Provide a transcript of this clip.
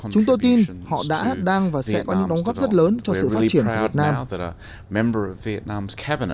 chúng tôi tin họ đã đang và sẽ có những đóng góp rất lớn cho sự phát triển của việt nam